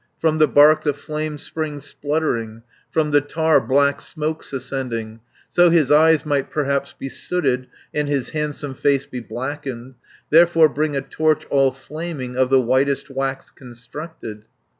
"From the bark the flame springs spluttering, From the tar black smoke's ascending, 200 So his eyes might perhaps be sooted, And his handsome face be blackened, Therefore bring a torch all flaming, Of the whitest wax constructed."